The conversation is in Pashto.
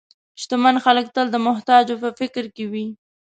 شتمن خلک تل د محتاجو په فکر کې وي.